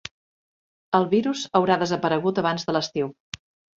El virus haurà desaparegut abans de l'estiu.